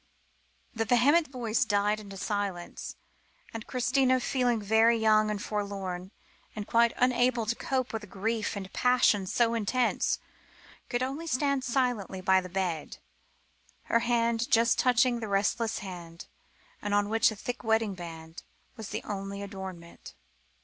The vehement voice died into silence, and Christina, feeling very young and forlorn, and quite unable to cope with a grief and passion so intense, could only stand silently by the bed, her hand just touching the restless hand, on which a thick wedding ring was the only ornament.